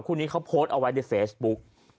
คู่นี้เขาโพสต์เอาไว้ในเฟซบุ๊ก